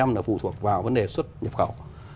hai trăm linh là phụ thuộc vào vấn đề xuất nhập khẩu